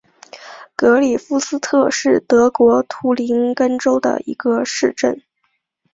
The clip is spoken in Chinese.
格里夫斯特是德国图林根州的一个市镇。